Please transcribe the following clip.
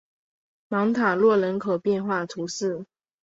芒塔洛人口变化图示